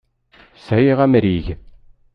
Sɛiɣ amrig.